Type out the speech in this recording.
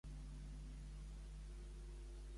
Qui sentia amor per Marpessa també?